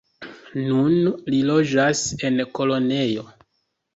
Nun li loĝas en Kolonjo.